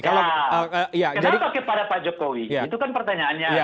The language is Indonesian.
kenapa kepada pak jokowi itu kan pertanyaannya